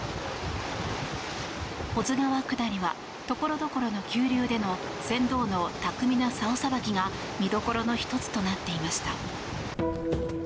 保津川下りは、所々の急流での船頭の巧みなさおさばきが見どころの１つとなっていました。